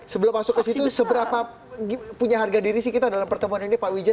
sebelum masuk ke situ seberapa punya harga diri sih kita dalam pertemuan ini pak wijaya